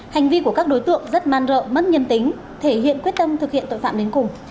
hành vi của các đối tượng rất man rợ mất nhân tính thể hiện quyết tâm thực hiện tội phạm đến cùng